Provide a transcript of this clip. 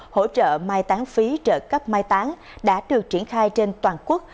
hỗ trợ mai tán phí trợ cấp mai tán đã được triển khai trên toàn quốc